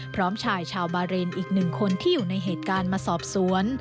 พร้อมชายชาวบาเรนอีกหนึ่งคนที่อยู่ในเหตุการณ์มาสอบสวน